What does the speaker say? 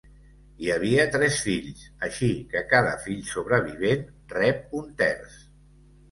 Hi havia tres fills, així que cada fill sobrevivent rep un terç.